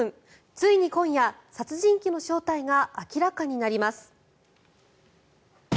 ついに今夜、殺人鬼の正体が明らかになります。